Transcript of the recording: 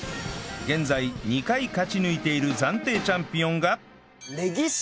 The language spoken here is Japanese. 現在２回勝ち抜いている暫定チャンピオンが